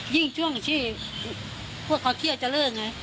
ยิ่งช่วงที่พวกเขาเครียดจะเลิกไง